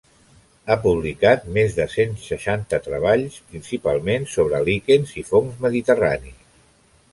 Ha publicat més de cent seixanta treballs, principalment sobre líquens i fongs mediterranis.